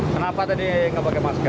kenapa tadi nggak pakai masker